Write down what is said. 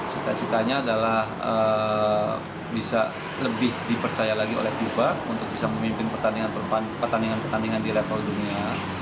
cita citanya adalah bisa lebih dipercaya lagi oleh fifa untuk bisa memimpin pertandingan pertandingan di level dunia